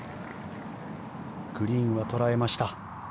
グリーンは捉えました。